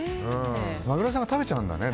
マグロ屋さんが食べちゃうんだね。